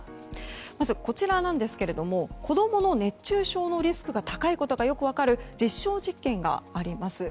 まず、子供の熱中症のリスクが高いことがよく分かる実証実験があります。